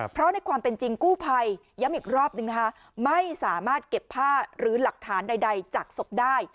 เพราะในความเป็นจริงกู้ภัยย้ำอีกรอบนึงนะคะไม่สามารถเก็บผ้าหรือหลักฐานใดจากศพได้